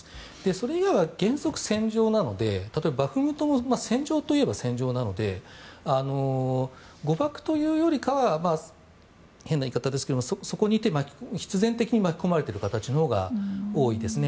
それ以外は原則、戦場なのでバフムトも戦場といえば戦場なので誤爆というよりかは変な言い方ですけれどそこにいて必然的に巻き込まれている形のほうが多いですね。